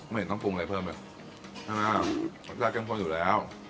เห็นต้องปรุงอะไรเพิ่มเลยใช่ไหมรสชาติเข้มข้นอยู่แล้ว